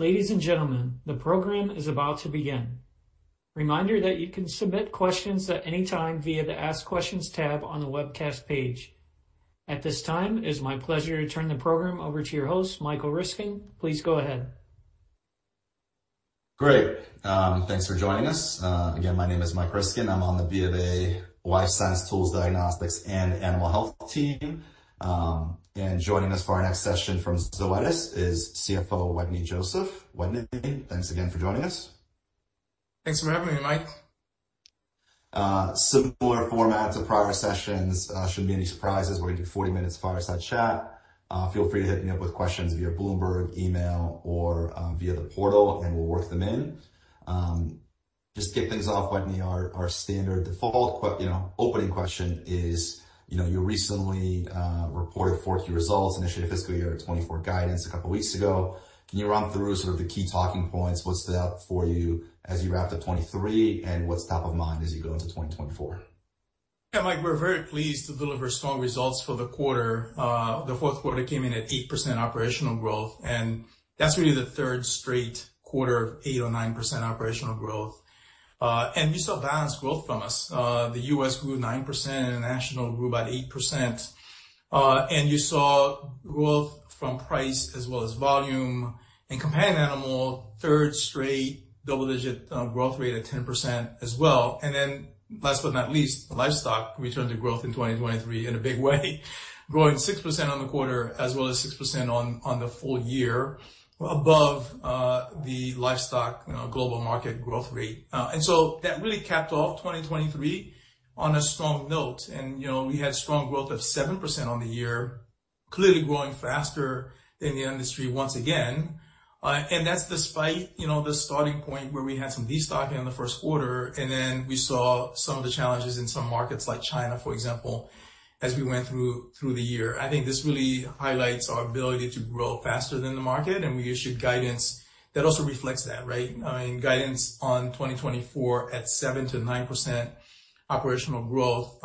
Ladies and gentlemen, the program is about to begin. Reminder that you can submit questions at any time via the Ask Questions tab on the webcast page. At this time is my pleasure to turn the program over to your host, Michael Ryskin. Please go ahead. Great. Thanks for joining us. Again, my name is Mike Ryskin. I'm on the BofA Life Science Tools, Diagnostics, and Animal Health team. And joining us for our next session from Zoetis is CFO Wetteny Joseph. Wetteny, thanks again for joining us. Thanks for having me, Mike. Similar format to prior sessions. Shouldn't be any surprises. We're gonna do 40 minutes of fireside chat. Feel free to hit me up with questions via Bloomberg, email, or via the portal, and we'll work them in. Just to kick things off, Wetteny, our standard default Q, you know, opening question is, you know, you recently reported Q4 results, initiated fiscal year 2024 guidance a couple weeks ago. Can you run through sort of the key talking points? What's set up for you as you wrap up 2023, and what's top of mind as you go into 2024? Yeah, Mike, we're very pleased to deliver strong results for the quarter. The fourth quarter came in at 8% operational growth, and that's really the third straight quarter of 8% or 9% operational growth. We saw balanced growth from U.S. The U.S. grew 9% and the international grew about 8%. You saw growth from price as well as volume. Companion animal, third straight double-digit growth rate at 10% as well. Then, last but not least, livestock returned to growth in 2023 in a big way, growing 6% on the quarter as well as 6% on the full year, above the livestock, you know, global market growth rate. So that really capped off 2023 on a strong note. You know, we had strong growth of 7% on the year, clearly growing faster than the industry once again. That's despite, you know, the starting point where we had some destocking in the first quarter, and then we saw some of the challenges in some markets like China, for example, as we went through the year. I think this really highlights our ability to grow faster than the market, and we issued guidance that also reflects that, right? I mean, guidance on 2024 at 7%-9% operational growth,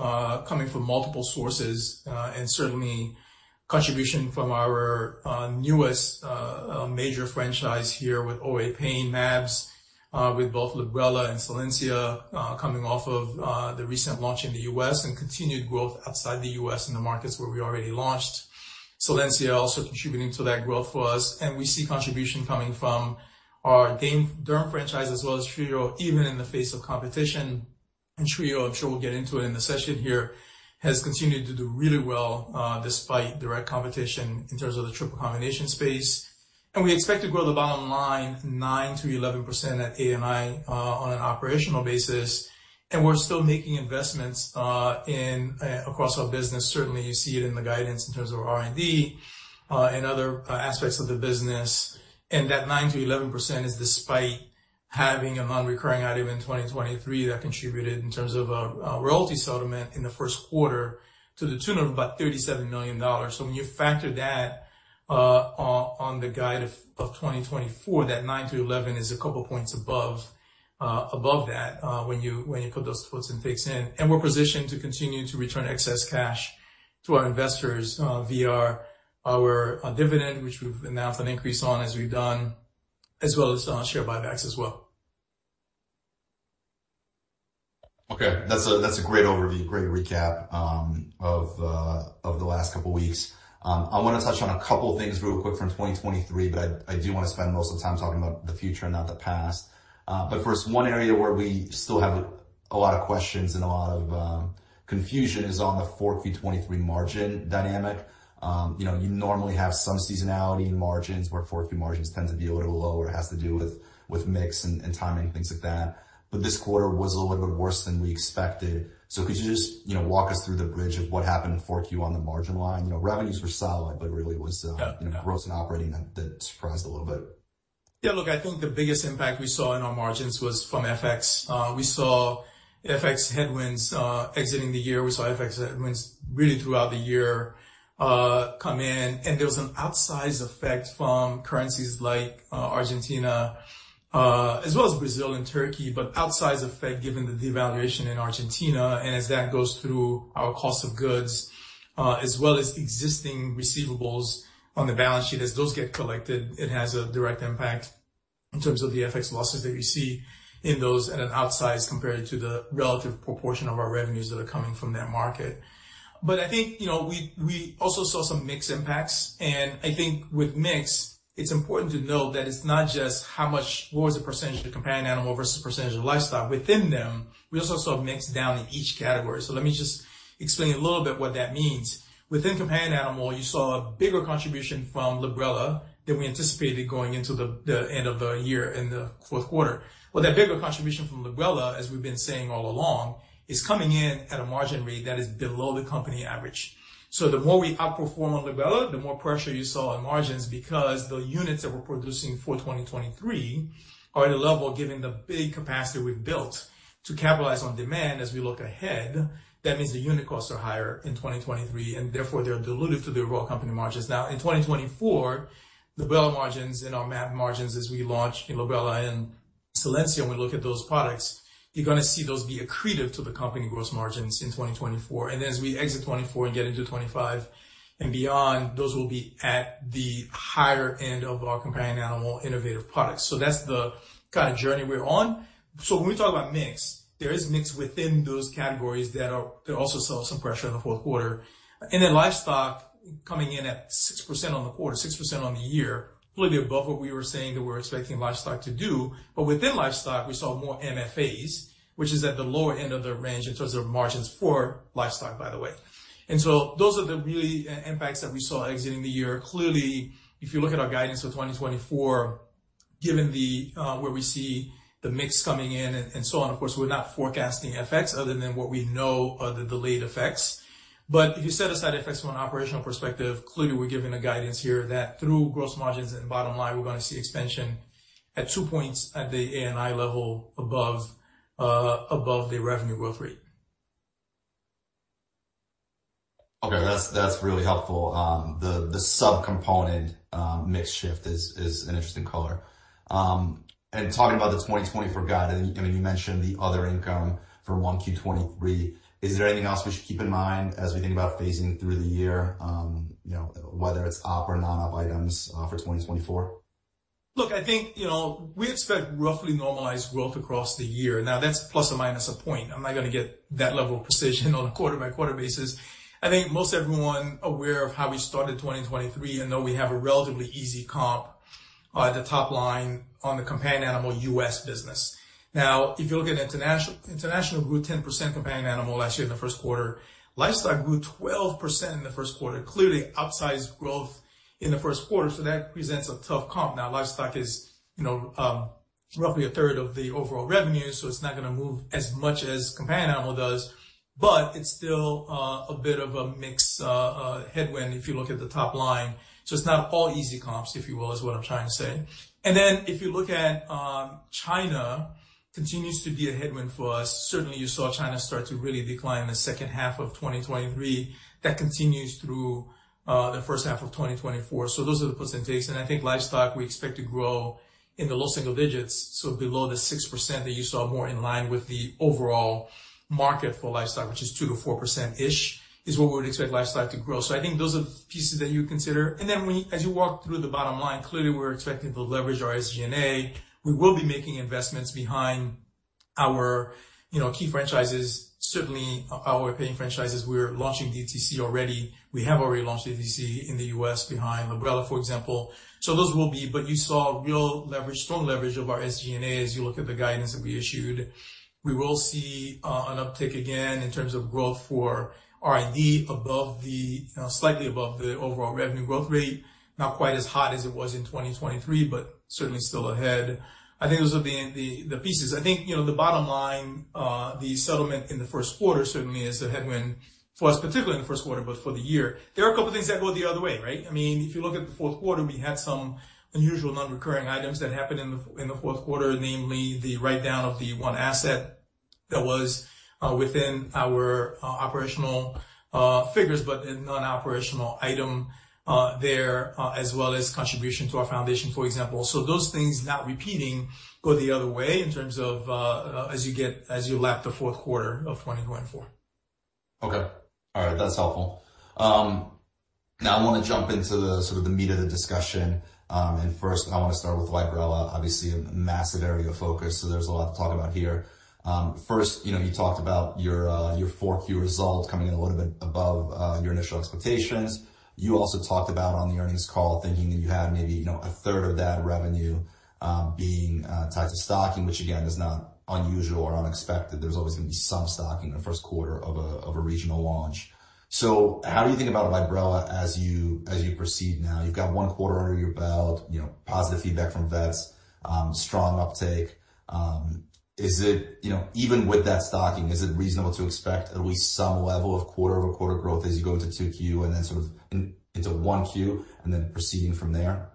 coming from multiple sources, and certainly contribution from our, newest, major franchise here with OA pain mAbs, with both Librela and Solensia, coming off of, the recent launch in the U.S. and continued growth outside the U.S. in the markets where we already launched. Solensia also contributing to that growth for us. We see contribution coming from our key derm franchise as well as Trio, even in the face of competition. And Trio, I'm sure we'll get into it in the session here, has continued to do really well, despite direct competition in terms of the triple combination space. And we expect to grow the bottom line 9%-11% at ANI, on an operational basis. And we're still making investments in across our business. Certainly, you see it in the guidance in terms of R&D, and other aspects of the business. And that 9%-11% is despite having a non-recurring item in 2023 that contributed in terms of a royalty settlement in the first quarter to the tune of about $37 million. So when you factor that on the guide of 2024, that 9%-11% is a couple points above that, when you put those puts and takes in. We're positioned to continue to return excess cash to our investors via our dividend, which we've announced an increase on as we've done, as well as share buybacks as well. Okay. That's a great overview, great recap, of the last couple weeks. I wanna touch on a couple things real quick from 2023, but I do wanna spend most of the time talking about the future and not the past. But first, one area where we still have a lot of questions and a lot of confusion is on the 4Q 2023 margin dynamic. You know, you normally have some seasonality in margins where 4Q margins tend to be a little lower. It has to do with mix and timing, things like that. But this quarter was a little bit worse than we expected. So could you just, you know, walk us through the bridge of what happened in 4Q on the margin line? You know, revenues were solid, but it really was, Yeah. You know, gross and operating that, that surprised a little bit. Yeah. Look, I think the biggest impact we saw in our margins was from FX. We saw FX headwinds exiting the year. We saw FX headwinds really throughout the year come in. And there was an outsize effect from currencies like Argentina, as well as Brazil and Turkey, but outsize effect given the devaluation in Argentina. And as that goes through our cost of goods, as well as existing receivables on the balance sheet, as those get collected, it has a direct impact in terms of the FX losses that you see in those at an outsize compared to the relative proportion of our revenues that are coming from that market. But I think, you know, we also saw some mixed impacts. And I think with mix, it's important to note that it's not just how much what was the percentage of companion animal versus percentage of livestock? Within them, we also saw mix down in each category. So let me just explain a little bit what that means. Within companion animal, you saw a bigger contribution from Librela than we anticipated going into the end of the year in the fourth quarter. Well, that bigger contribution from Librela, as we've been saying all along, is coming in at a margin rate that is below the company average. So the more we outperform on Librela, the more pressure you saw on margins because the units that we're producing for 2023 are at a level given the big capacity we've built to capitalize on demand as we look ahead. That means the unit costs are higher in 2023, and therefore, they're diluted to the overall company margins. Now, in 2024, Librela margins and our mAb margins as we launch in Librela and Solensia, when we look at those products, you're gonna see those be accretive to the company gross margins in 2024. And then as we exit 2024 and get into 2025 and beyond, those will be at the higher end of our companion animal innovative products. So that's the kind of journey we're on. So when we talk about mix, there is mix within those categories that are also saw some pressure in the fourth quarter. And then livestock coming in at 6% on the quarter, 6% on the year, clearly above what we were saying that we were expecting livestock to do. But within livestock, we saw more MFAs, which is at the lower end of the range in terms of margins for livestock, by the way. And so those are the real impacts that we saw exiting the year. Clearly, if you look at our guidance for 2024, given where we see the mix coming in and so on, of course, we're not forecasting FX other than what we know are the delayed effects. But if you set aside FX from an operational perspective, clearly, we're giving a guidance here that through gross margins and bottom line, we're gonna see expansion at two points at the ANI level above the revenue growth rate. Okay. That's, that's really helpful. The subcomponent mix shift is an interesting color. And talking about the 2024 guide, and you mentioned the other income from 1Q 2023, is there anything else we should keep in mind as we think about phasing through the year, you know, whether it's op or non-op items, for 2024? Look, I think, you know, we expect roughly normalized growth across the year. Now, that's plus or minus a point. I'm not gonna get that level of precision on a quarter-by-quarter basis. I think most everyone aware of how we started 2023 and know we have a relatively easy comp, at the top line on the companion animal U.S. business. Now, if you look at international grew 10% companion animal last year in the first quarter, livestock grew 12% in the first quarter, clearly outsized growth in the first quarter. So that presents a tough comp. Now, livestock is, you know, roughly 1/3 of the overall revenue, so it's not gonna move as much as companion animal does, but it's still, a bit of a mix, headwind if you look at the top line. So it's not all easy comps, if you will, is what I'm trying to say. And then if you look at China, it continues to be a headwind for us. Certainly, you saw China start to really decline in the second half of 2023. That continues through the first half of 2024. So those are the percentages. And I think livestock, we expect to grow in the low single digits, so below the 6% that you saw, more in line with the overall market for livestock, which is 2%-4%-ish, is what we would expect livestock to grow. So I think those are pieces that you consider. And then when you, as you walk through the bottom line, clearly, we're expecting to leverage our SG&A. We will be making investments behind our, you know, key franchises, certainly our pain franchises. We're launching DTC already. We have already launched DTC in the U.S. behind Librela, for example. So those will be. But you saw real leverage, strong leverage of our SG&A as you look at the guidance that we issued. We will see an uptick again in terms of growth for R&D above, slightly above the overall revenue growth rate, not quite as hot as it was in 2023, but certainly still ahead. I think those are the pieces. I think, you know, the bottom line, the settlement in the first quarter certainly is a headwind for us, particularly in the first quarter, but for the year. There are a couple things that go the other way, right? I mean, if you look at the fourth quarter, we had some unusual non-recurring items that happened in the fourth quarter, namely the write-down of the one asset that was within our operational figures but a non-operational item there, as well as contribution to our foundation, for example. So those things not repeating go the other way in terms of as you lap the fourth quarter of 2024. Okay. All right. That's helpful. Now I wanna jump into the sort of the meat of the discussion. First, I wanna start with Librela, obviously, a massive area of focus, so there's a lot to talk about here. First, you know, you talked about your, your 4Q result coming in a little bit above your initial expectations. You also talked about on the earnings call thinking that you had maybe, you know, a third of that revenue being tied to stocking, which, again, is not unusual or unexpected. There's always gonna be some stocking in the first quarter of a regional launch. So how do you think about Librela as you proceed now? You've got one quarter under your belt, you know, positive feedback from vets, strong uptake. Is it, you know, even with that stocking, reasonable to expect at least some level of quarter-over-quarter growth as you go into 2Q and then sort of into 1Q and then proceeding from there?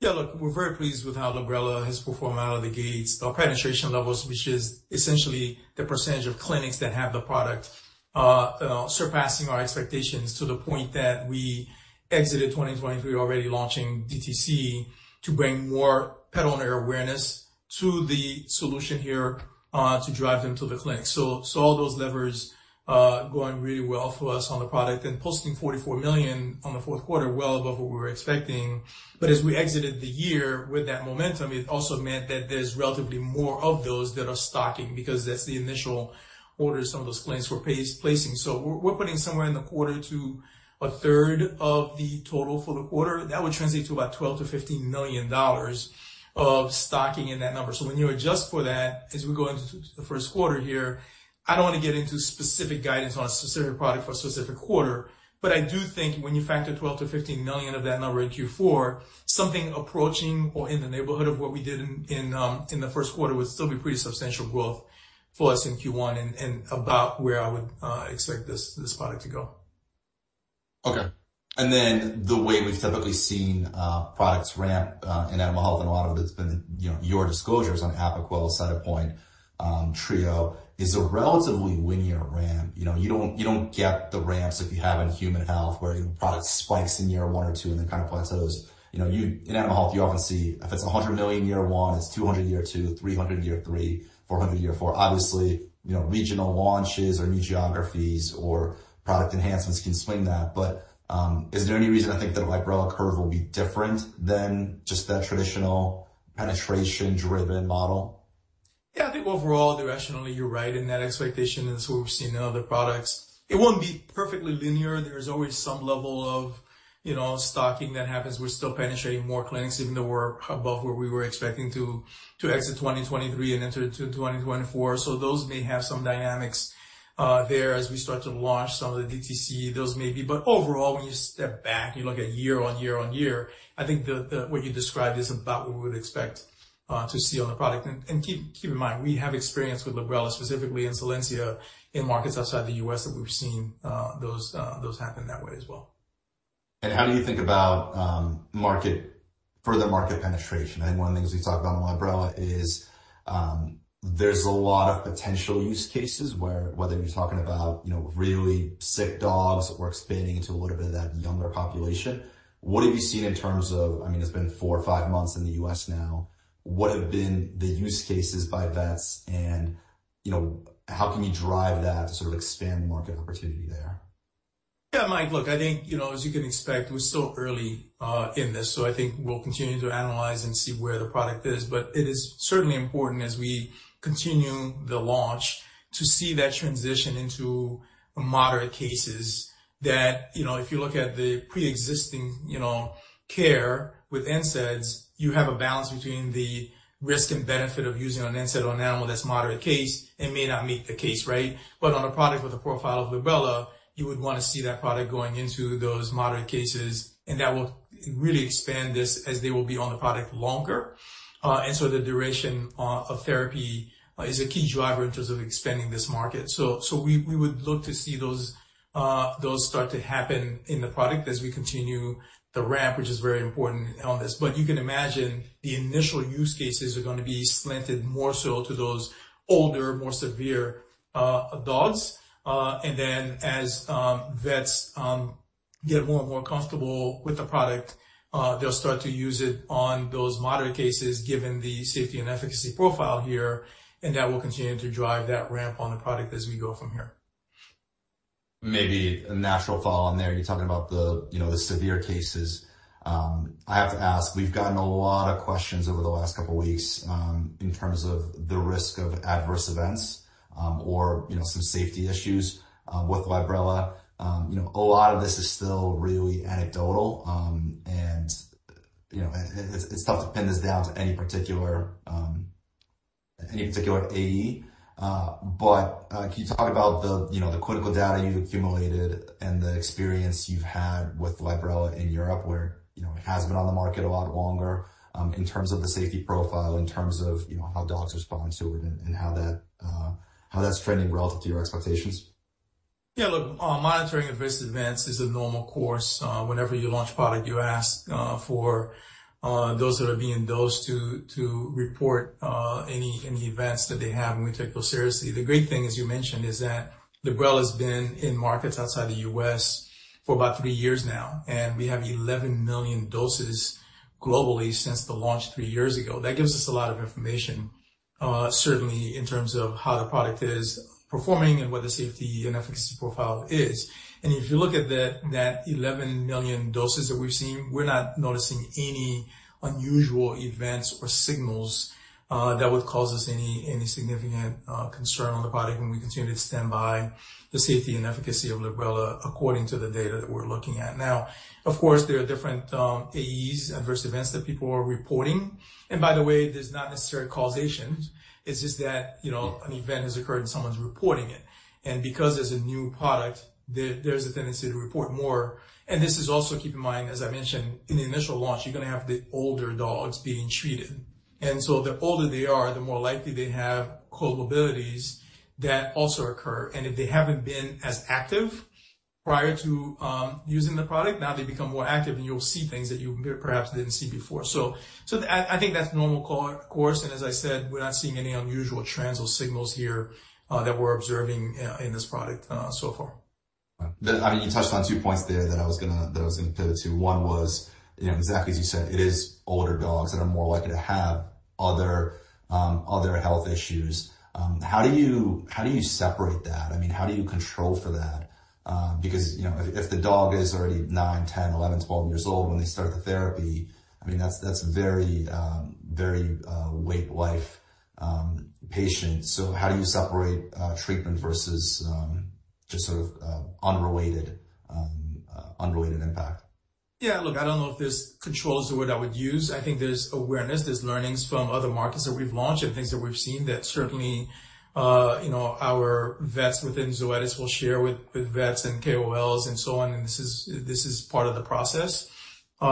Yeah. Look, we're very pleased with how Librela has performed out of the gates, our penetration levels, which is essentially the percentage of clinics that have the product, surpassing our expectations to the point that we exited 2023 already launching DTC to bring more pet-owner awareness to the solution here, to drive them to the clinic. So all those levers, going really well for us on the product and posting $44 million in the fourth quarter, well above what we were expecting. But as we exited the year with that momentum, it also meant that there's relatively more of those that are stocking because that's the initial orders some of those clinics were placing. So we're putting somewhere in 1/4 to 1/3 of the total for the quarter. That would translate to about $12 million-$15 million of stocking in that number. When you adjust for that as we go into the first quarter here, I don't wanna get into specific guidance on a specific product for a specific quarter, but I do think when you factor $12 million-$15 million of that number in Q4, something approaching or in the neighborhood of what we did in the first quarter would still be pretty substantial growth for us in Q1 and about where I would expect this product to go. Okay. And then the way we've typically seen products ramp in animal health, and a lot of it has been, you know, your disclosures on the Apoquel side of Cytopoint, Trio, is a relatively linear ramp. You know, you don't you don't get the ramps if you have in human health where, you know, product spikes in year one or two and then kind of plates out those. You know, you in animal health, you often see if it's $100 million year one, it's $200 million year two, $300 million year three, $400 million year four. Obviously, you know, regional launches or new geographies or product enhancements can swing that. But is there any reason I think that a Librela curve will be different than just that traditional penetration-driven model? Yeah. I think overall, directionally, you're right in that expectation and that's what we've seen in other products. It won't be perfectly linear. There's always some level of, you know, stocking that happens. We're still penetrating more clinics even though we're above where we were expecting to, to exit 2023 and enter into 2024. So those may have some dynamics there as we start to launch some of the DTC. Those may be. But overall, when you step back and you look at year on year-on-year, I think the, the what you described is about what we would expect to see on the product. And, and keep, keep in mind, we have experience with Librela specifically and Solensia in markets outside the U.S. that we've seen, those, those happen that way as well. How do you think about further market penetration? I think one of the things we talked about in Librela is, there's a lot of potential use cases where whether you're talking about, you know, really sick dogs or expanding into a little bit of that younger population, what have you seen in terms of? I mean, it's been four or five months in the U.S. now. What have been the use cases by vets? You know, how can you drive that to sort of expand the market opportunity there? Yeah, Mike. Look, I think, you know, as you can expect, we're still early in this. So I think we'll continue to analyze and see where the product is. But it is certainly important as we continue the launch to see that transition into moderate cases that, you know, if you look at the preexisting, you know, care with NSAIDs, you have a balance between the risk and benefit of using an NSAID on an animal that's moderate case. It may not meet the case, right? But on a product with a profile of Librela, you would wanna see that product going into those moderate cases. And that will really expand this as they will be on the product longer. And so the duration of therapy is a key driver in terms of expanding this market. So we would look to see those start to happen in the product as we continue the ramp, which is very important on this. But you can imagine the initial use cases are gonna be slanted more so to those older, more severe, dogs. And then as vets get more and more comfortable with the product, they'll start to use it on those moderate cases given the safety and efficacy profile here. And that will continue to drive that ramp on the product as we go from here. Maybe a natural follow-on there. You're talking about the, you know, the severe cases. I have to ask, we've gotten a lot of questions over the last couple weeks, in terms of the risk of adverse events, or, you know, some safety issues, with Librela. You know, a lot of this is still really anecdotal. And, you know, it's tough to pin this down to any particular, any particular AE. But, can you talk about the, you know, the clinical data you've accumulated and the experience you've had with Librela in Europe where, you know, it has been on the market a lot longer, in terms of the safety profile, in terms of, you know, how dogs respond to it and, and how that, how that's trending relative to your expectations? Yeah. Look, monitoring adverse events is a normal course. Whenever you launch a product, you ask for those that are being dosed to report any events that they have, and we take those seriously. The great thing, as you mentioned, is that Librela has been in markets outside the U.S. for about three years now, and we have 11 million doses globally since the launch three years ago. That gives us a lot of information, certainly in terms of how the product is performing and what the safety and efficacy profile is. And if you look at that 11 million doses that we've seen, we're not noticing any unusual events or signals that would cause us any significant concern on the product when we continue to stand by the safety and efficacy of Librela according to the data that we're looking at. Now, of course, there are different AEs, adverse events that people are reporting. And by the way, there's not necessarily causation. It's just that, you know, an event has occurred and someone's reporting it. And because it's a new product, there's a tendency to report more. And this is also, keep in mind, as I mentioned, in the initial launch, you're gonna have the older dogs being treated. And so the older they are, the more likely they have comorbidities that also occur. And if they haven't been as active prior to using the product, now they become more active, and you'll see things that you perhaps didn't see before. So, I think that's normal course. And as I said, we're not seeing any unusual trends or signals here that we're observing in this product so far. Right. I mean, you touched on two points there that I was gonna pivot to. One was, you know, exactly as you said, it is older dogs that are more likely to have other health issues. How do you separate that? I mean, how do you control for that? Because, you know, if the dog is already nine, 10, 11, 12 years old when they start the therapy, I mean, that's very, very late-life patient. So how do you separate treatment versus just sort of unrelated impact? Yeah. Look, I don't know if there's control is the word I would use. I think there's awareness, there's learnings from other markets that we've launched and things that we've seen that certainly, you know, our vets within Zoetis will share with, with vets and KOLs and so on. And this is this is part of the process, you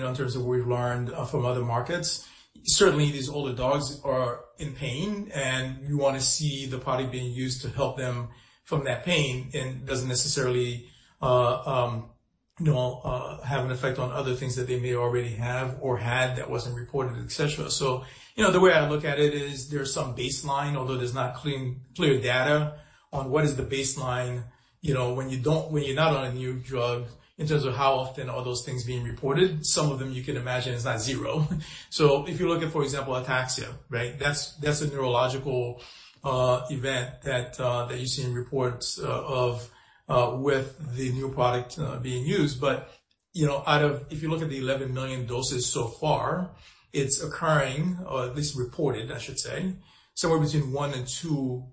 know, in terms of what we've learned, from other markets. Certainly, these older dogs are in pain, and you wanna see the product being used to help them from that pain and doesn't necessarily, you know, have an effect on other things that they may already have or had that wasn't reported, etc. So, you know, the way I look at it is there's some baseline, although there's not clean, clear data on what is the baseline, you know, when you're not on a new drug in terms of how often are those things being reported. Some of them, you can imagine, it's not zero. So if you look at, for example, ataxia, right, that's a neurological event that you see in reports with the new product being used. But, you know, if you look at the 11 million doses so far, it's occurring or at least reported, I should say, somewhere between 1-2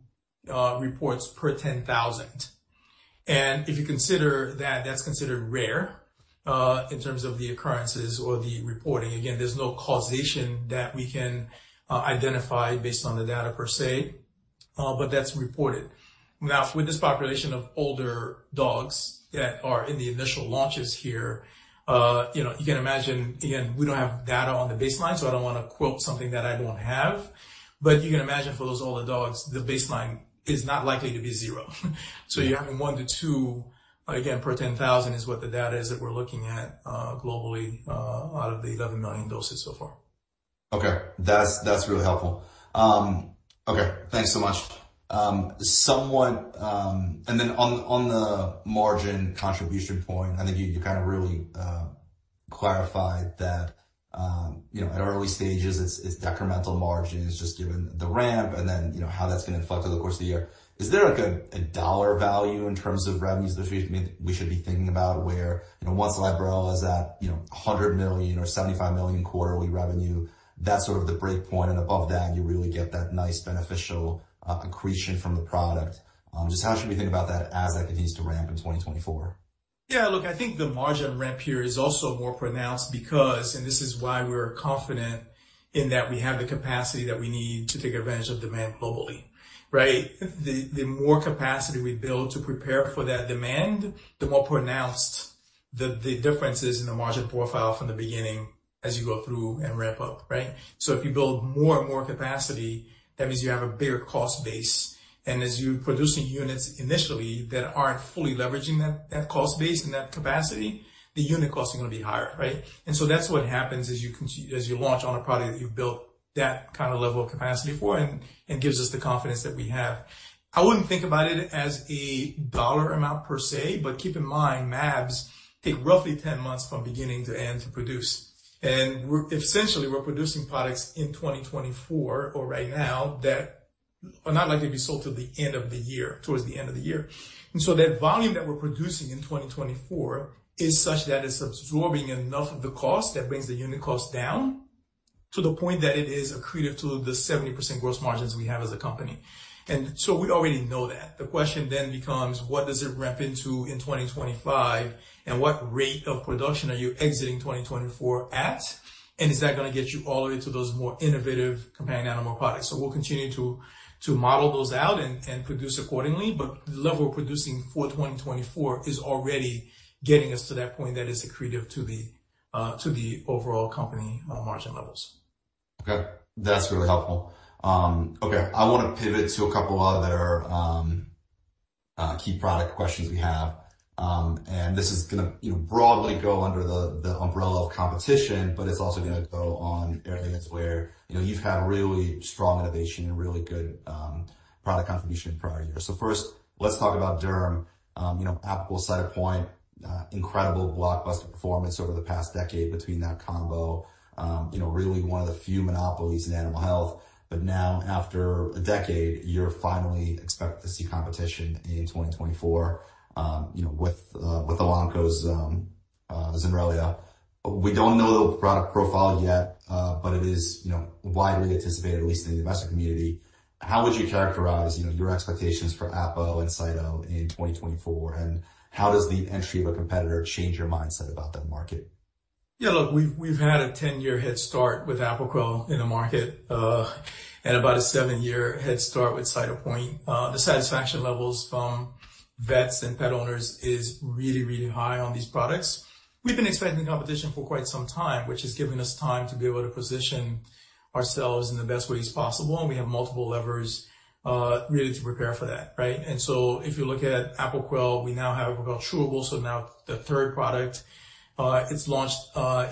reports per 10,000. And if you consider that, that's considered rare in terms of the occurrences or the reporting. Again, there's no causation that we can identify based on the data per se, but that's reported. Now, with this population of older dogs that are in the initial launches here, you know, you can imagine again, we don't have data on the baseline, so I don't wanna quote something that I don't have. But you can imagine for those older dogs, the baseline is not likely to be zero. So you're having 1-2 again, per 10,000 is what the data is that we're looking at, globally, out of the 11 million doses so far. Okay. That's, that's really helpful. Okay. Thanks so much. Somewhat, and then on, on the margin contribution point, I think you, you kinda really, clarified that, you know, at early stages, it's, it's decremental margins just given the ramp and then, you know, how that's gonna affect over the course of the year. Is there like a, a dollar value in terms of revenues that we should be thinking about where, you know, once Librela is at, you know, $100 million or $75 million quarterly revenue, that's sort of the breakpoint, and above that, you really get that nice beneficial, accretion from the product. Just how should we think about that as that continues to ramp in 2024? Yeah. Look, I think the margin ramp here is also more pronounced because, and this is why we're confident in that we have the capacity that we need to take advantage of demand globally, right? The more capacity we build to prepare for that demand, the more pronounced the difference is in the margin profile from the beginning as you go through and ramp up, right? So if you build more and more capacity, that means you have a bigger cost base. And as you're producing units initially that aren't fully leveraging that cost base and that capacity, the unit cost is gonna be higher, right? And so that's what happens as you launch on a product that you've built that kinda level of capacity for, and gives us the confidence that we have. I wouldn't think about it as a dollar amount per se, but keep in mind, mAbs take roughly 10 months from beginning to end to produce. We're essentially, we're producing products in 2024 or right now that are not likely to be sold till the end of the year towards the end of the year. So that volume that we're producing in 2024 is such that it's absorbing enough of the cost that brings the unit cost down to the point that it is accretive to the 70% gross margins we have as a company. We already know that. The question then becomes, what does it ramp into in 2025, and what rate of production are you exiting 2024 at? And is that gonna get you all the way to those more innovative companion animal products? So we'll continue to model those out and produce accordingly. But the level we're producing for 2024 is already getting us to that point that is accretive to the overall company margin levels. Okay. That's really helpful. Okay. I wanna pivot to a couple other, key product questions we have. And this is gonna, you know, broadly go under the, the umbrella of competition, but it's also gonna go on areas where, you know, you've had really strong innovation and really good, product contribution in prior years. So first, let's talk about derma. You know, Apoquel, Cytopoint, incredible blockbuster performance over the past decade between that combo, you know, really one of the few monopolies in animal health. But now, after a decade, you're finally expected to see competition in 2024, you know, with, with Elanco's, Zenrelia. We don't know the product profile yet, but it is, you know, widely anticipated, at least in the investor community. How would you characterize, you know, your expectations for APO and CITO in 2024? How does the entry of a competitor change your mindset about that market? Yeah. Look, we've had a 10-year head start with Apoquel in the market, and about a 7-year head start with Cytopoint. The satisfaction levels from vets and pet owners is really, really high on these products. We've been expecting competition for quite some time, which has given us time to be able to position ourselves in the best ways possible. And we have multiple levers, really to prepare for that, right? And so if you look at Apoquel, we now have Apoquel Chewable. So now the third product, it's launched,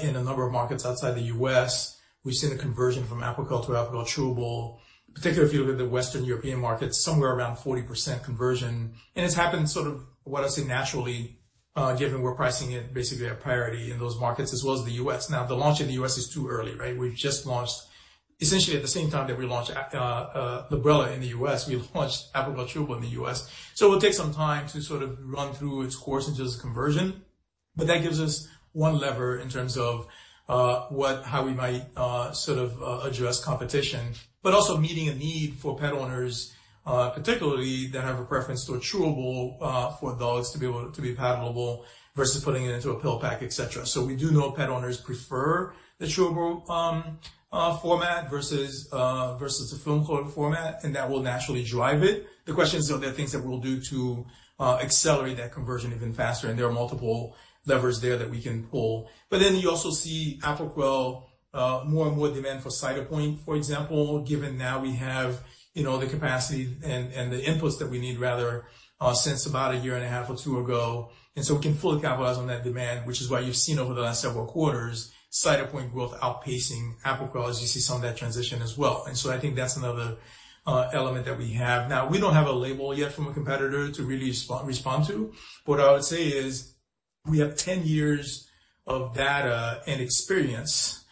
in a number of markets outside the U.S. We've seen a conversion from Apoquel to Apoquel Chewable, particularly if you look at the Western European markets, somewhere around 40% conversion. And it's happened sort of, what I'd say, naturally, given we're pricing it basically a priority in those markets as well as the U.S. Now, the launch in the U.S. is too early, right? We've just launched essentially at the same time that we launched Librela in the U.S. We launched Apoquel Chewable in the U.S.. So it'll take some time to sort of run through its course in terms of conversion. But that gives us one lever in terms of what, how we might sort of address competition but also meeting a need for pet owners, particularly that have a preference toward chewable for dogs to be able to be palatable versus putting it into a pill pack, etc. So we do know pet owners prefer the chewable format versus the film-coated format, and that will naturally drive it. The question is, are there things that we'll do to accelerate that conversion even faster? And there are multiple levers there that we can pull. But then you also see Apoquel, more and more demand for Cytopoint, for example, given now we have, you know, the capacity and the inputs that we need rather since about a year and a half or two ago. And so we can fully capitalize on that demand, which is why you've seen over the last several quarters Cytopoint growth outpacing Apoquel as you see some of that transition as well. And so I think that's another element that we have. Now, we don't have a label yet from a competitor to really respond to. But what I would say is we have 10 years of data and experience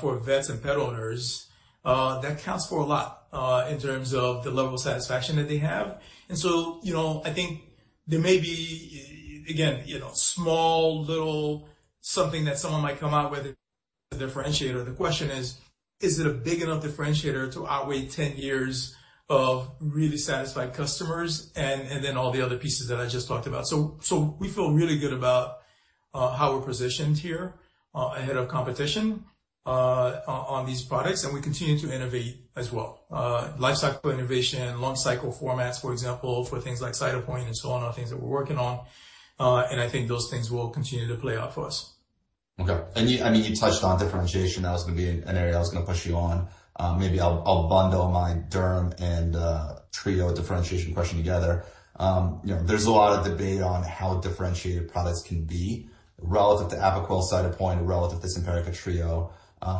for vets and pet owners that counts for a lot in terms of the level of satisfaction that they have. And so, you know, I think there may be, again, you know, small, little something that someone might come out with as a differentiator. The question is, is it a big enough differentiator to outweigh 10 years of really satisfied customers and then all the other pieces that I just talked about? So we feel really good about how we're positioned here, ahead of competition, on these products. And we continue to innovate as well, lifecycle innovation, long-cycle formats, for example, for things like Cytopoint and so on, all things that we're working on. And I think those things will continue to play out for us. Okay. And you—I mean, you touched on differentiation. That was gonna be an area I was gonna push you on. Maybe I'll, I'll bundle my Zenrelia and Trio differentiation question together. You know, there's a lot of debate on how differentiated products can be relative to Apoquel, Cytopoint, relative to Simparica Trio.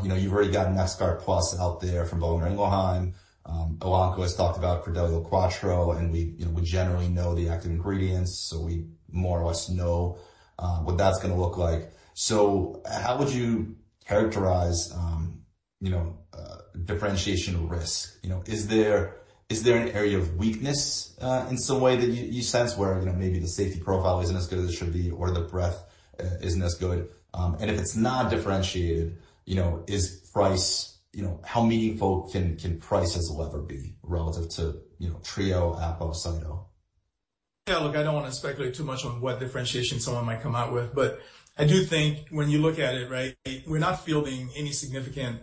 You know, you've already got Nexgard Plus out there from Boehringer Ingelheim. Elanco has talked about Credelio Quattro, and we, you know, we generally know the active ingredients, so we more or less know what that's gonna look like. So how would you characterize, you know, differentiation risk? You know, is there—is there an area of weakness in some way that you, you sense where, you know, maybe the safety profile isn't as good as it should be or the breadth isn't as good? If it's not differentiated, you know, is price you know, how meaningful can price as a lever be relative to, you know, Trio, APO, CITO? Yeah. Look, I don't wanna speculate too much on what differentiation someone might come out with. But I do think when you look at it, right, we're not fielding any significant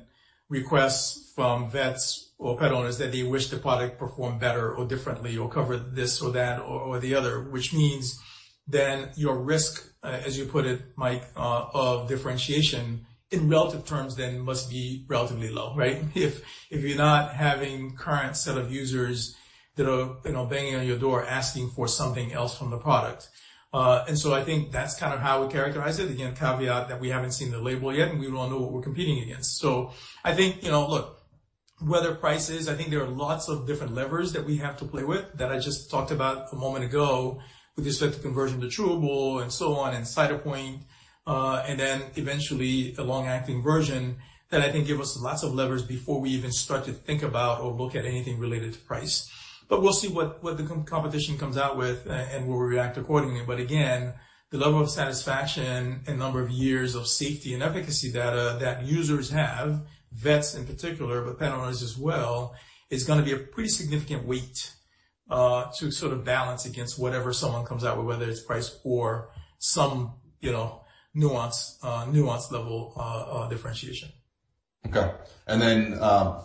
requests from vets or pet owners that they wish the product performed better or differently or covered this or that or, or the other, which means then your risk, as you put it, Mike, of differentiation in relative terms then must be relatively low, right, if, if you're not having current set of users that are, you know, banging on your door asking for something else from the product. And so I think that's kinda how we characterize it. Again, caveat that we haven't seen the label yet, and we don't know what we're competing against. So I think, you know, look, whether price is I think there are lots of different levers that we have to play with that I just talked about a moment ago with respect to conversion to Chewable and so on and Cytopoint, and then eventually a long-acting version that I think give us lots of levers before we even start to think about or look at anything related to price. But we'll see what the competition comes out with and we'll react accordingly. But again, the level of satisfaction and number of years of safety and efficacy data that users have, vets in particular but pet owners as well, is gonna be a pretty significant weight to sort of balance against whatever someone comes out with, whether it's price or some, you know, nuance level differentiation. Okay. And then,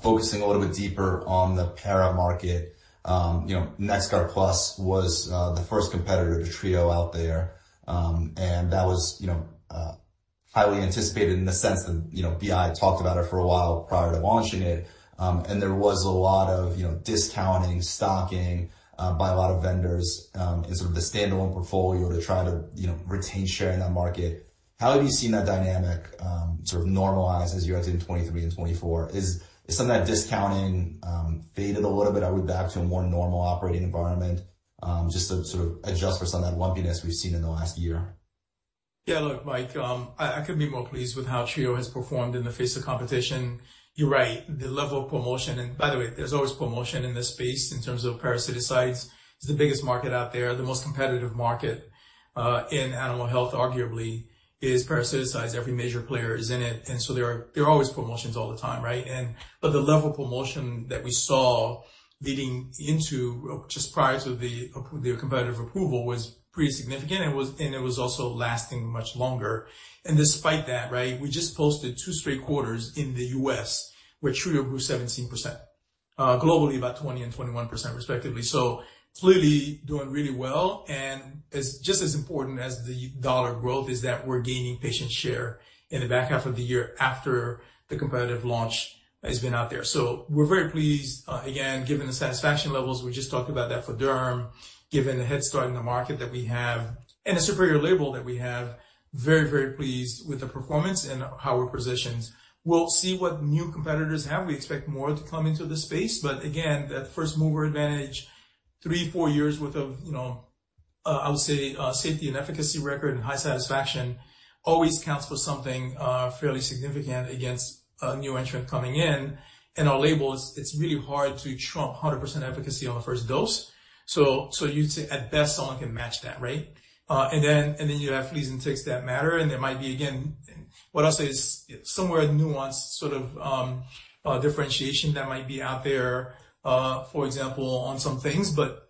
focusing a little bit deeper on the para market, you know, Nexgard Plus was, the first competitor to Trio out there. And that was, you know, highly anticipated in the sense that, you know, BI talked about it for a while prior to launching it. And there was a lot of, you know, discounting, stocking, by a lot of vendors, in sort of the standalone portfolio to try to, you know, retain share in that market. How have you seen that dynamic, sort of normalize as you entered 2023 and 2024? Is, is some of that discounting, faded a little bit? Are we back to a more normal operating environment, just to sort of adjust for some of that lumpiness we've seen in the last year? Yeah. Look, Mike, I, I couldn't be more pleased with how Trio has performed in the face of competition. You're right. The level of promotion and by the way, there's always promotion in this space in terms of parasiticides. It's the biggest market out there, the most competitive market, in animal health arguably is parasiticides. Every major player is in it. And so there are there are always promotions all the time, right? But the level of promotion that we saw leading into just prior to the competitive approval was pretty significant, and it was also lasting much longer. And despite that, right, we just posted two straight quarters in the U.S. where Trio grew 17%, globally about 20 and 21% respectively. So clearly doing really well. Just as important as the dollar growth is that we're gaining patient share in the back half of the year after the competitive launch has been out there. So we're very pleased, again, given the satisfaction levels. We just talked about that for Derm. Given the head start in the market that we have and the superior label that we have, very, very pleased with the performance and how we're positioned. We'll see what new competitors have. We expect more to come into the space. But again, that first-mover advantage, three, four years' worth of, you know, I would say, safety and efficacy record and high satisfaction always counts for something, fairly significant against a new entrant coming in. And our label, it's, it's really hard to trump 100% efficacy on the first dose. So, so you'd say at best, someone can match that, right? and then you have fleas and ticks that matter. And there might be, again, what I'll say is somewhere a nuanced sort of differentiation that might be out there, for example, on some things. But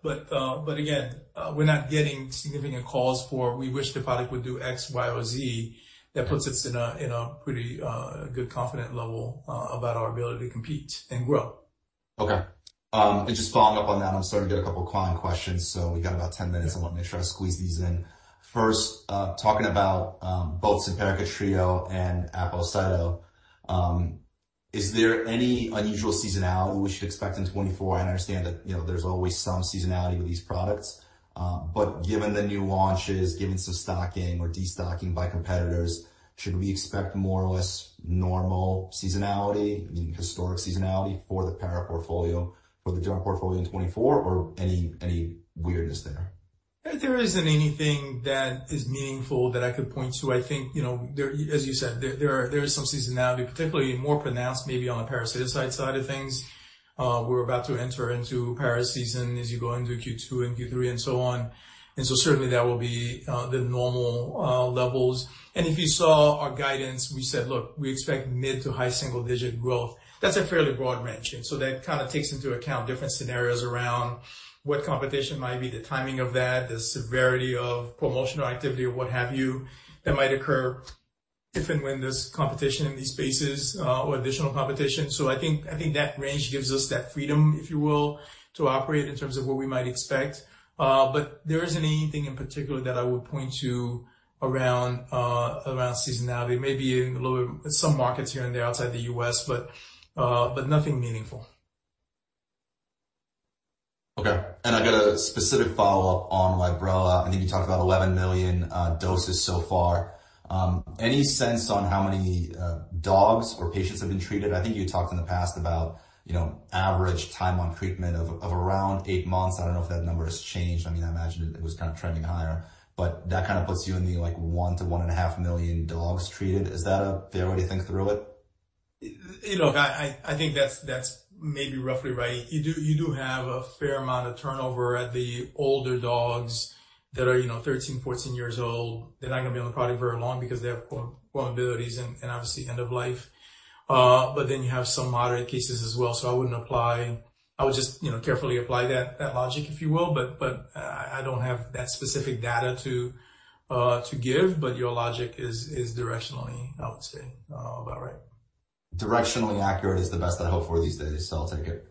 again, we're not getting significant calls for, "We wish the product would do X, Y, or Z." That puts us in a pretty good confident level about our ability to compete and grow. Okay. And just following up on that, I'm starting to get a couple of client questions, so we got about 10 minutes. I wanna make sure I squeeze these in. First, talking about both Simparica Trio and Apoquel, is there any unusual seasonality we should expect in 2024? I understand that, you know, there's always some seasonality with these products. But given the new launches, given some stocking or destocking by competitors, should we expect more or less normal seasonality, I mean, historic seasonality for the para portfolio, for the derma portfolio in 2024, or any, any weirdness there? I think there isn't anything that is meaningful that I could point to. I think, you know, there, as you said, there is some seasonality, particularly more pronounced maybe on the parasiticide side of things. We're about to enter into para season as you go into Q2 and Q3 and so on. And so certainly, that will be the normal levels. And if you saw our guidance, we said, "Look, we expect mid- to high single-digit growth." That's a fairly broad range. And so that kinda takes into account different scenarios around what competition might be, the timing of that, the severity of promotional activity, or what have you that might occur if and when there's competition in these spaces, or additional competition. So I think that range gives us that freedom, if you will, to operate in terms of what we might expect. But there isn't anything in particular that I would point to around seasonality. Maybe in a little bit some markets here and there outside the U.S., but nothing meaningful. Okay. I got a specific follow-up on Librela. I think you talked about 11 million doses so far. Any sense on how many dogs or patients have been treated? I think you talked in the past about, you know, average time on treatment of, of around 8 months. I don't know if that number has changed. I mean, I imagine it was kinda trending higher. But that kinda puts you in the, like, 1-1.5 million dogs treated. Is that a fair way to think through it? You know, I think that's maybe roughly right. You do have a fair amount of turnover at the older dogs that are, you know, 13, 14 years old. They're not gonna be on the product very long because they have comorbidities and obviously, end of life. But then you have some moderate cases as well. So I wouldn't apply. I would just, you know, carefully apply that logic, if you will. But I don't have that specific data to give. But your logic is directionally, I would say, about right. Directionally accurate is the best I hope for these days, so I'll take it.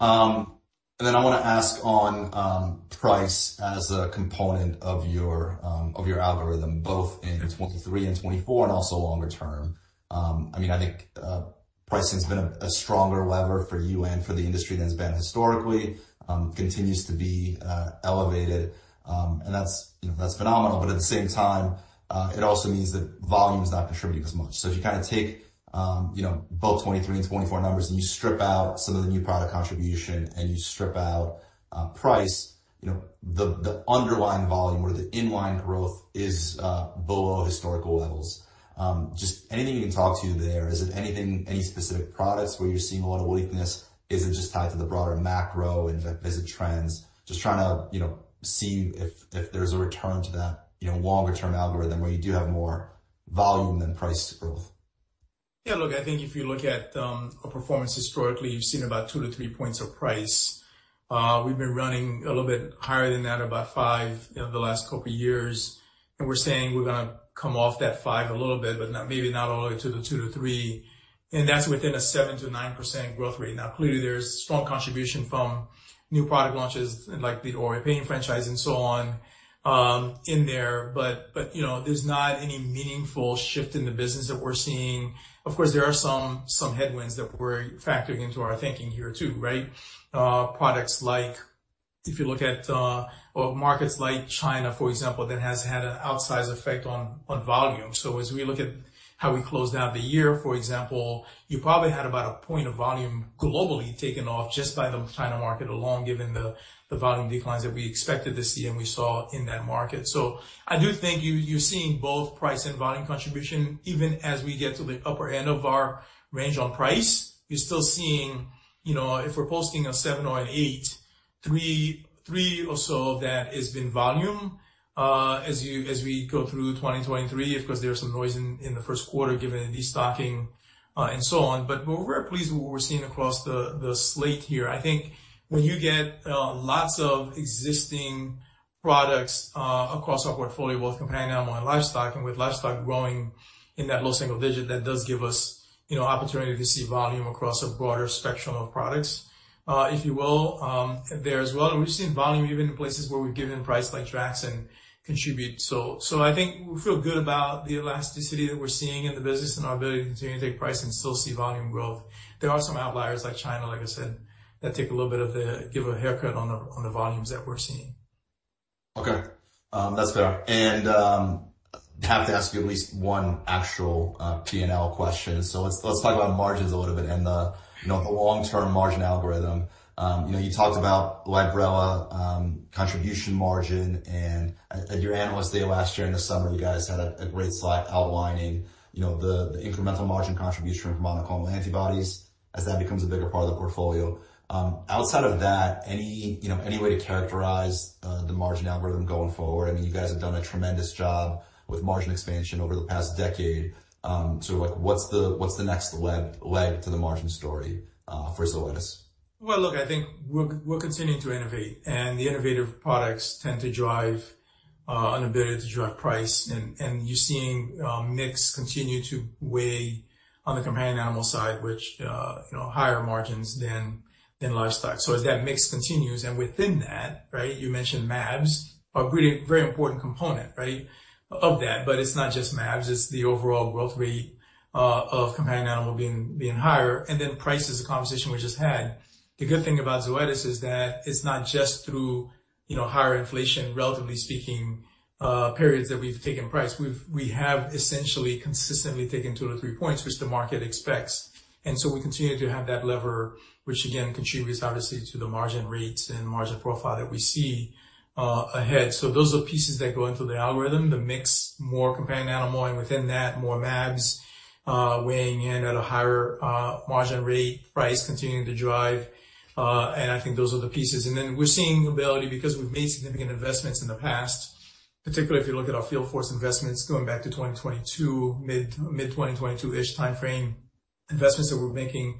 And then I want to ask on price as a component of your, of your algorithm, both in 2023 and 2024 and also longer term. I mean, I think pricing's been a stronger lever for you and for the industry than it's been historically, continues to be elevated. And that's, you know, that's phenomenal. But at the same time, it also means that volume's not contributing as much. So if you kind of take, you know, both 2023 and 2024 numbers and you strip out some of the new product contribution and you strip out price, you know, the underlying volume or the inline growth is below historical levels. Just anything you can talk to there. Is it anything, any specific products where you're seeing a lot of weakness? Is it just tied to the broader macro and vet-visit trends? Just trying to, you know, see if there's a return to that, you know, longer-term algorithm where you do have more volume than price growth. Yeah. Look, I think if you look at our performance historically, you've seen about 2-3 points of price. We've been running a little bit higher than that, about 5, you know, the last couple of years. And we're saying we're gonna come off that 5 a little bit but not maybe not all the way to the 2-3. And that's within a 7%-9% growth rate. Now, clearly, there's strong contribution from new product launches like the OA pain franchise and so on, in there. But, you know, there's not any meaningful shift in the business that we're seeing. Of course, there are some headwinds that we're factoring into our thinking here too, right, products like if you look at, or markets like China, for example, that has had an outsized effect on volume. So as we look at how we closed out the year, for example, you probably had about a point of volume globally taken off just by the China market alone, given the volume declines that we expected to see and we saw in that market. So I do think you're seeing both price and volume contribution. Even as we get to the upper end of our range on price, you're still seeing, you know, if we're posting a seven or an eight, three or so of that has been volume, as we go through 2023, of course, there's some noise in the first quarter given the destocking, and so on. But we're very pleased with what we're seeing across the slate here. I think when you get lots of existing products across our portfolio both companion animal and livestock and with livestock growing in that low single digit, that does give us, you know, opportunity to see volume across a broader spectrum of products, if you will, there as well. And we've seen volume even in places where we've given price like Draxxin contribute. So, so I think we feel good about the elasticity that we're seeing in the business and our ability to continue to take price and still see volume growth. There are some outliers like China, like I said, that take a little bit of the give a haircut on the volumes that we're seeing. Okay. That's fair. And I have to ask you at least one actual P&L question. So let's talk about margins a little bit and the you know the long-term margin algorithm. You know you talked about Librela contribution margin. And at your analyst day last year in the summer you guys had a great slide outlining you know the incremental margin contribution from monoclonal antibodies as that becomes a bigger part of the portfolio. Outside of that any you know any way to characterize the margin algorithm going forward? I mean you guys have done a tremendous job with margin expansion over the past decade. Sort of like what's the next leg to the margin story for Zoetis? Well, look, I think we're continuing to innovate. The innovative products tend to drive an ability to drive price. And you're seeing mix continue to weigh on the companion animal side, which, you know, higher margins than livestock. So as that mix continues and within that, right, you mentioned mAbs, a really very important component, right, of that. But it's not just mAbs. It's the overall growth rate of companion animal being higher. And then price is a conversation we just had. The good thing about Zoetis is that it's not just through, you know, higher inflation, relatively speaking, periods that we've taken price. We have essentially consistently taken 2-3 points, which the market expects. And so we continue to have that lever, which, again, contributes obviously to the margin rates and margin profile that we see ahead. So those are pieces that go into the algorithm, the mix, more companion animal, and within that, more mAbs, weighing in at a higher margin rate, price continuing to drive. I think those are the pieces. Then we're seeing ability because we've made significant investments in the past, particularly if you look at our field force investments going back to 2022, mid-2022-ish timeframe, investments that we're making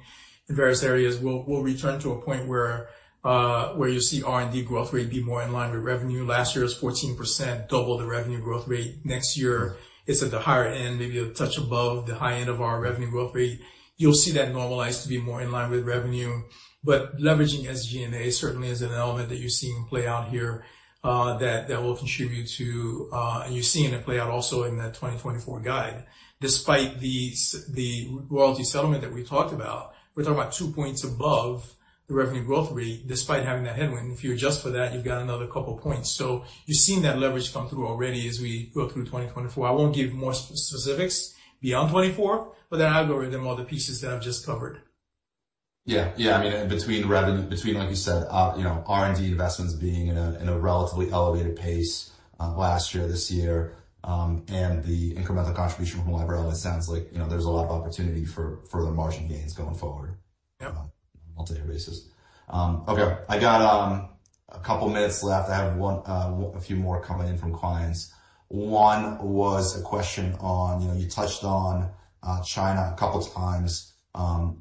in various areas. We'll return to a point where you'll see R&D growth rate be more in line with revenue. Last year was 14%, double the revenue growth rate. Next year, it's at the higher end, maybe a touch above the high end of our revenue growth rate. You'll see that normalize to be more in line with revenue. But leveraging SG&A certainly is an element that you're seeing play out here, that will contribute to and you're seeing it play out also in that 2024 guide. Despite the royalty settlement that we talked about, we're talking about two points above the revenue growth rate despite having that headwind. If you adjust for that, you've got another couple of points. So you're seeing that leverage come through already as we go through 2024. I won't give more specifics beyond 2024, but that algorithm, all the pieces that I've just covered. Yeah. Yeah. I mean, between like you said, you know, R&D investments being in a relatively elevated pace last year, this year, and the incremental contribution from Librela, it sounds like, you know, there's a lot of opportunity for further margin gains going forward. Yep. On a multi-year basis. Okay. I got a couple minutes left. I have one, with a few more coming in from clients. One was a question on, you know, you touched on China a couple times.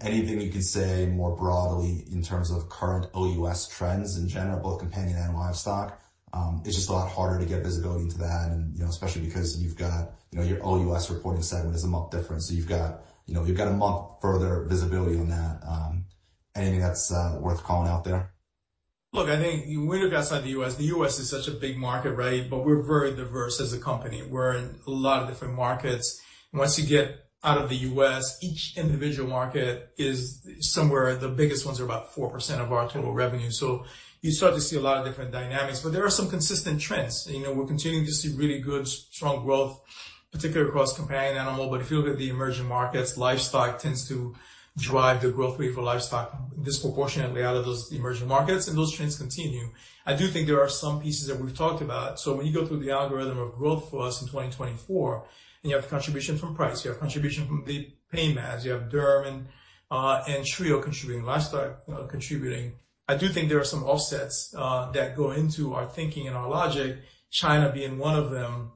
Anything you can say more broadly in terms of current OUS trends in general, both companion and livestock? It's just a lot harder to get visibility into that and, you know, especially because you've got, you know, your OUS reporting segment is a month different. So you've got, you know, you've got a month further visibility on that. Anything that's worth calling out there? Look, I think when you look outside the U.S., the U.S. is such a big market, right, but we're very diverse as a company. We're in a lot of different markets. Once you get out of the U.S., each individual market is somewhere the biggest ones are about 4% of our total revenue. So you start to see a lot of different dynamics. But there are some consistent trends. You know, we're continuing to see really good, strong growth, particularly across companion animal. But if you look at the emerging markets, livestock tends to drive the growth rate for livestock disproportionately out of those emerging markets. And those trends continue. I do think there are some pieces that we've talked about. So when you go through the algorithm of growth for us in 2024, and you have contribution from price, you have contribution from the pain mAbs, you have Derm and Trio contributing livestock, contributing. I do think there are some offsets that go into our thinking and our logic, China being one of them,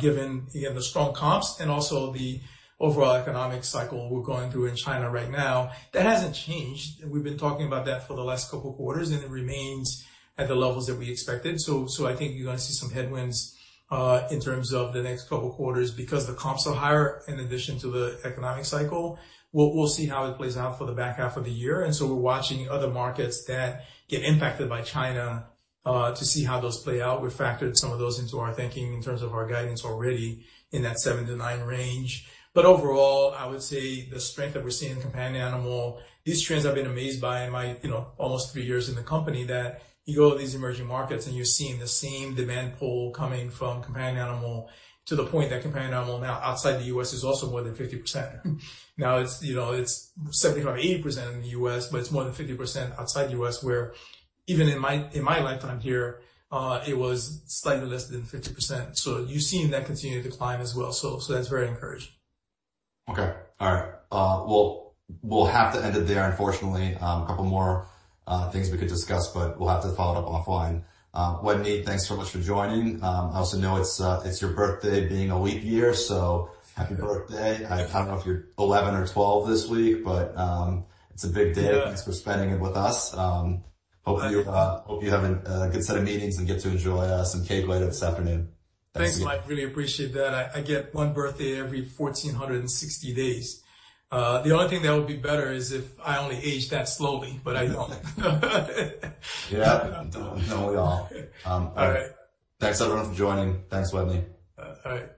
given, again, the strong comps and also the overall economic cycle we're going through in China right now. That hasn't changed. We've been talking about that for the last couple of quarters, and it remains at the levels that we expected. So I think you're gonna see some headwinds in terms of the next couple of quarters because the comps are higher in addition to the economic cycle. We'll see how it plays out for the back half of the year. And so we're watching other markets that get impacted by China, to see how those play out. We've factored some of those into our thinking in terms of our guidance already in that 7-9 range. Overall, I would say the strength that we're seeing in companion animal, these trends I've been amazed by in my, you know, almost three years in the company that you go to these emerging markets and you're seeing the same demand pull coming from companion animal to the point that companion animal now outside the U.S. is also more than 50%. Now, it's, you know, it's 75%-80% in the U.S., but it's more than 50% outside the U.S. where even in my lifetime here, it was slightly less than 50%. So you're seeing that continue to decline as well. So that's very encouraging. Okay. All right. Well, we'll have to end it there, unfortunately. A couple more things we could discuss, but we'll have to follow it up offline. Wetteny, thanks so much for joining. I also know it's your birthday, being a leap year, so happy birthday. Thank you. I don't know if you're 11 or 12 this week, but it's a big day. Yeah. Thanks for spending it with us. Hope you have a good set of meetings and get to enjoy some cake later this afternoon. Thanks, Mike. Really appreciate that. I get one birthday every 1,460 days. The only thing that would be better is if I only aged that slowly, but I don't. Yeah. No, we all. All right. All right. Thanks, everyone, for joining. Thanks, Wetteny. All right.